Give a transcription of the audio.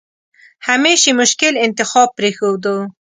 همېش یې مشکل انتخاب پرېښوده.